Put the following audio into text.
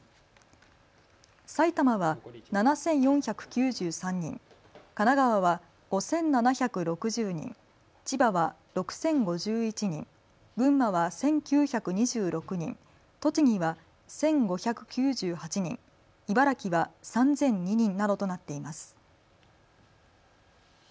埼玉は７４９３人、神奈川は５７６０人、千葉は６０５１人、群馬は１９２６人、栃木は１５９８人、茨城は３００２人などとなっています。